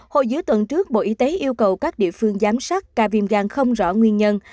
hồi giữa tuần trước bộ y tế yêu cầu các địa phương giám sát ca viêm gan không rõ nguyên nhân